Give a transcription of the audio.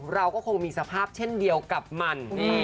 เราก็คงมีสภาพเช่นเดียวกับมัน